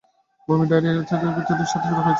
বমি, ডায়রিয়া, শরীর ব্যথা সব এক সাথে শুরু হয়েছে।